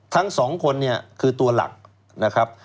ทั้งสองคนเนี่ยคือตัวหลักนะครับ